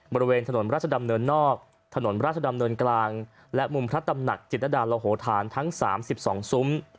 บริเวณถนนราชดำเนินนอกถนนราชดำเนินกลางและมุมพระตำหนักจิตรดาลโหธานทั้ง๓๒ซุ้ม